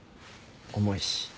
重いし。